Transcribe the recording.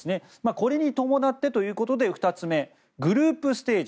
これに伴ってということで２つ目グループステージ